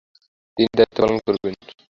তিনি এ দায়িত্ব পালন করেন।